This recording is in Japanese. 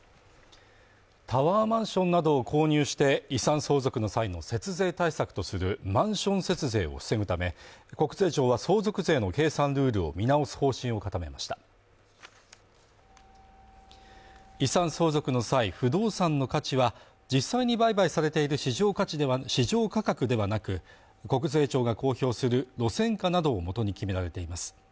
タワーマンションなどを購入して、遺産相続の際の節税対策とするマンション節税を防ぐため、国税庁は相続税の計算ルールを見直す方針を固めました遺産相続の際不動産の価値は、実際に売買されている市場価格ではなく、国税庁が公表する路線価などをもとに決められています。